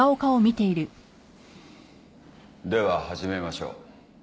では始めましょう。